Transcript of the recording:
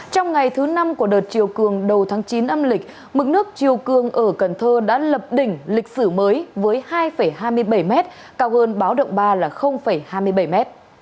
trong ngày thứ năm của đợt chiều cường đầu tháng chín âm lịch mức nước chiều cường ở cần thơ đã lập đỉnh lịch sử mới với hai hai mươi bảy m cao hơn báo động ba là hai mươi bảy m